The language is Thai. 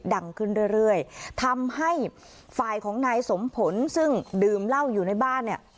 ดังขึ้นเรื่อยทำให้ฝ่ายของนายสมผลซึ่งดื่มเหล้าอยู่ในบ้านเนี่ย